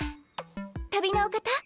旅のお方？